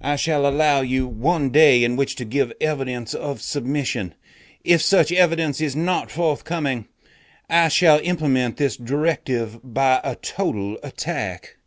I shall allow you one day in which to give evidence of submission. If such evidence is not forthcoming, I shall implement this directive by a total attack....'"